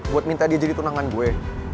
buat minta dia jadi tunangan gue